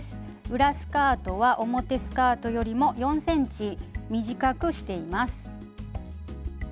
裏スカートは表スカートよりも４ｃｍ短くしています。